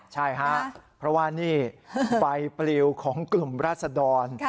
ใช่ครับเพราะว่านี่ไฟปลิวของกลุ่มราศดร